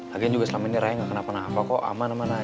lagian juga selama ini raya gak kena apa apa kok aman aman aja